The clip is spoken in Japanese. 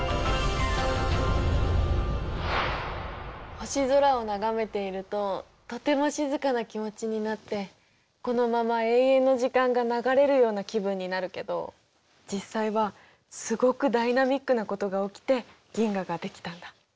星空を眺めているととても静かな気持ちになってこのまま永遠の時間が流れるような気分になるけど実際はすごくダイナミックなことが起きて銀河が出来たんだ。